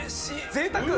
ぜいたく。